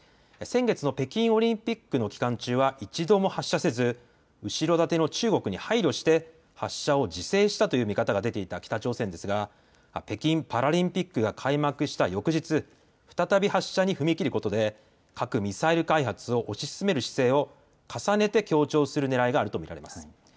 先月の北京オリンピックの期間中は一度も発射せず後ろ盾の中国に配慮して発射を自制したという見方が出ていた北朝鮮ですが北京パラリンピックが開幕した翌日、再び発射に踏み切ることで核・ミサイル開発を推し進める姿勢を重ねて強調するねらいがあると見られます。